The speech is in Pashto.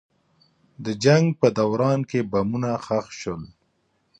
د جنګ په دوران کې بمونه ښخ شول.